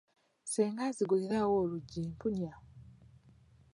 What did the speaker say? Senga nzigulirawo oluggi, mpunya.